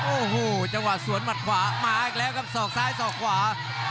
โอ้โหจังหวะสวนหมัดขวามาอีกแล้วครับศอกซ้ายสอกขวา